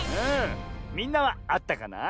みんなはあったかな？